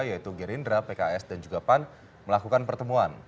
yaitu gerindra pks dan juga pan melakukan pertemuan